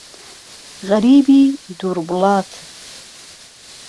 غەریبی دوور وڵات